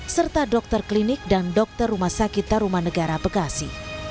serta dokter klinik dan dokter rumah sakit taruman negara bekasi